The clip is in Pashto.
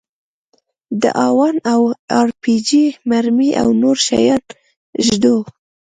د هاوان او ار پي جي مرمۍ او نور شيان ږدو.